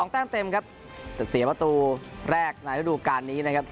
แต้มเต็มครับแต่เสียประตูแรกในฤดูการนี้นะครับ